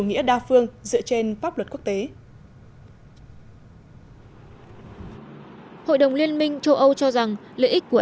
nghĩa đa phương dựa trên pháp luật quốc tế hội đồng liên minh châu âu cho rằng lợi ích của